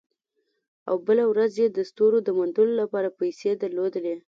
او بله ورځ یې د ستورو د موندلو لپاره پیسې درلودې